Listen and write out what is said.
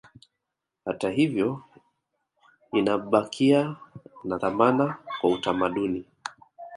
Hata hivyo inabakia na thamani kwa utamaduni